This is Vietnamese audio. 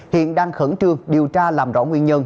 hiện đang khẩn trương điều tra làm rõ nguyên nhân